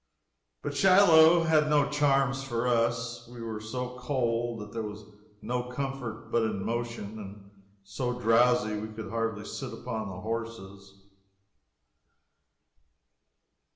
But Shiloh had no charms for us. We were so cold that there was no comfort but in motion, and so drowsy we could hardly sit upon the horses.